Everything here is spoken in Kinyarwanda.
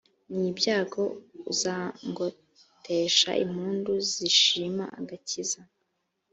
n ibyago uzangotesha impundu zishima agakiza